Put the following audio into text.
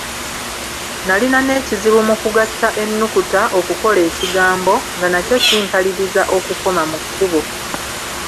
Nalina n’ekizibu mu kugatta ennukuta okukola ekigambo, nga nakyo kimpaliriza okukoma mu kkubo.